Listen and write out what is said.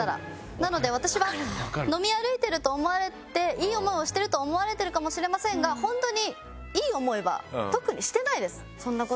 なので私は飲み歩いてると思われていい思いをしてると思われてるかもしれませんが本当に。